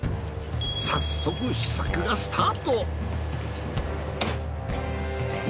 早速試作がスタート。